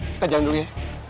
kita jalan dulu ya